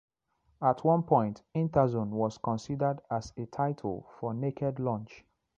At one point, Interzone was considered as a title for "Naked Lunch".